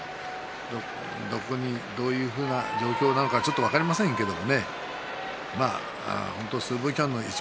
どういうふうな状況なのかはちょっと分かりませんけれど。